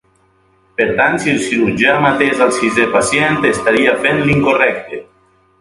Per tant, si el cirurgià matés al sisè pacient, estaria fent l'incorrecte.